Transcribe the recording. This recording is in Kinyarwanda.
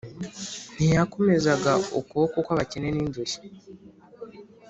ntiyakomezaga ukuboko kw’abakene n’indushyi